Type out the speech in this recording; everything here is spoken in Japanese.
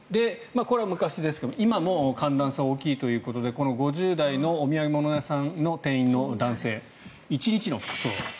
これは昔ですが今も寒暖差が大きいということでこの５０代のお土産物屋さんの店員の男性１日の服装。